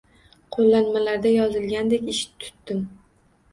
Qo‘llanmalarda yozilganidek ish tutdim